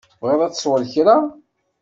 Tebɣiḍ ad tesweḍ kra?